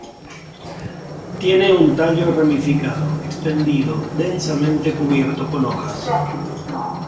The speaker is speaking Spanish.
Tiene un tallo ramificado, extendido, densamente cubierto con hojas.